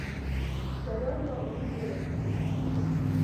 Jadolo obiro katuo